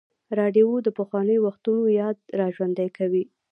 راډیو د پخوانیو وختونو یاد راژوندی کوي.